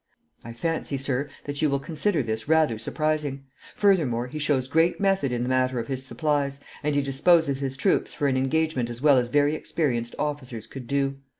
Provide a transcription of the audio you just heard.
I fancy, sir, that you will consider this rather surprising. Furthermore, he shows great method in the matter of his supplies, and he disposes his troops for an engagement as well as very experienced officers could do.